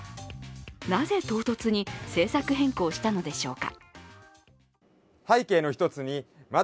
なぜ、唐突に政策変更したのでしょうか。